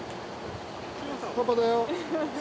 パパだよ。